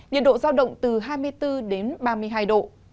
nhiệt độ giao động từ hai mươi bốn đến ba mươi hai độ